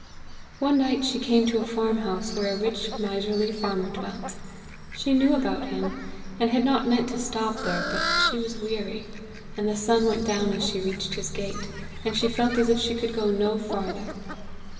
"One night she came to a farm house where a rich miserly farmer dwelt. She knew about him, and had not meant to stop there, but she was weary, and the sun went down as she reached his gate, and she felt as if she could go no farther.